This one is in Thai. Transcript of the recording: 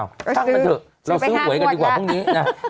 ช่างมันเถอะเราซื้อหวยกันดีกว่าพรุ่งนี้นะ